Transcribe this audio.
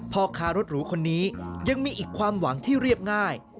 พ่อค้ารถหรูคนนี้ยังมีอีกความหวังที่เรียบง่าย